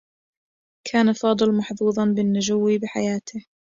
كان فاضل محظوظا بالنّجو بحياته.